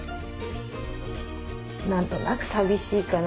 なんとなく寂しいかな。